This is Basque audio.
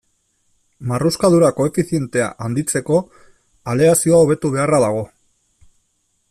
Marruskadura koefizientea handitzeko aleazioa hobetu beharra dago.